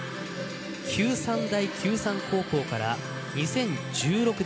九産大九産高校から２０１６年